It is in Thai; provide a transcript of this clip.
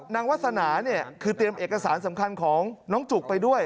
วาสนาเนี่ยคือเตรียมเอกสารสำคัญของน้องจุกไปด้วย